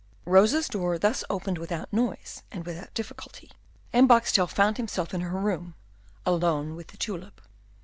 Rosa's door thus opened without noise and without difficulty, and Boxtel found himself in her room alone with the tulip.